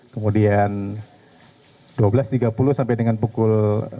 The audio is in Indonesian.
kemudian dua belas tiga puluh sampai dengan pukul